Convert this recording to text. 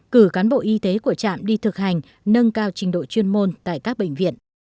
cử cán bộ y tế của trạm đi thực hành nâng cao trình độ chuyên môn tại các bệnh viện